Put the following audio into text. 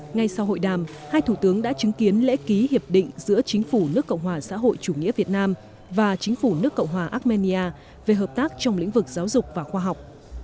ngay sau hội đàm hai thủ tướng đã chứng kiến lễ ký hiệp định giữa chính phủ nước cộng hòa xã hội chủ nghĩa việt nam và chính phủ nước cộng hòa armenia về hợp tác trong lĩnh vực giáo dục và khoa học